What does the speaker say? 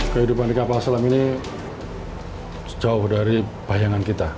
kehidupan kapal selam ini sejauh dari bayangan kita